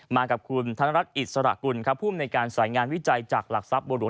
มากับคุณธนรัฐอิสระกุลครับภูมิในการสายงานวิจัยจากหลักทรัพย์บัวหลวง